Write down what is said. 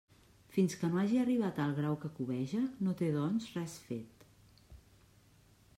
Fins que no hagi arribat al grau que cobeja, no té, doncs, res fet.